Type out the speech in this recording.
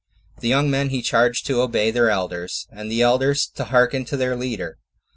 The young men he charged to obey their elders, and the elders to hearken to their leader.